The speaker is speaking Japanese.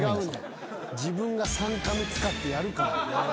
自分が３カメ使ってやるから。